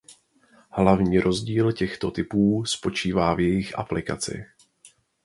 Hlavní rozdíl těchto typů spočívá v jejich aplikaci.